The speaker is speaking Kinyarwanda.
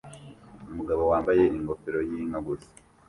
Umugabo wambaye ingofero yinka gusa